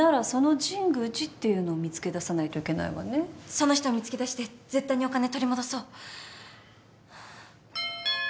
その人を見つけ出して絶対にお金取り戻そう。